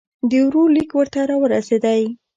د ورور لیک ورته را ورسېدی.